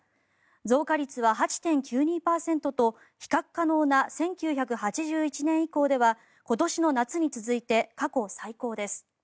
増加率は８．９２％と比較可能な１９８１年以降では今年の夏に続いて過去最高です。